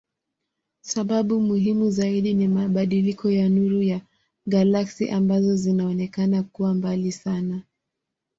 Sababu muhimu zaidi ni mabadiliko ya nuru ya galaksi ambazo zinaonekana kuwa mbali sana.